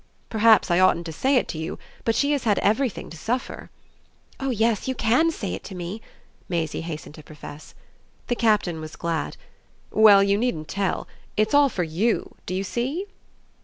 "Perhaps I oughtn't to say it to you, but she has had everything to suffer." "Oh yes you can SAY it to me!" Maisie hastened to profess. The Captain was glad. "Well, you needn't tell. It's all for YOU do you see?"